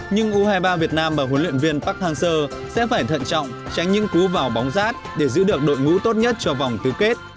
nhưng u hai mươi ba việt nam và huấn luyện viên park hang seo sẽ phải thận trọng tránh những cú vào bóng rát để giữ được đội ngũ tốt nhất cho vòng tứ kết